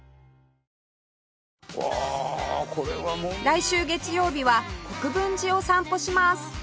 来週月曜日は国分寺を散歩します